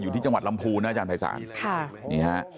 อยู่ที่จังหวัดลำพูนะอาจารย์ไพรศาล